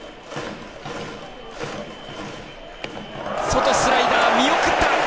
外、スライダー見送った！